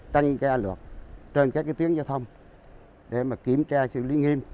tăng ca lực trên các tiến giao thông để kiểm tra xử lý nghiêm